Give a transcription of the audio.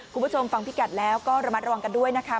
คุณผู้ชมฟังพิกัดแล้วก็ระมัดระวังกันด้วยนะคะ